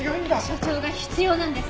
所長が必要なんです！